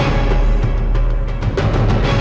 aku sudah mencari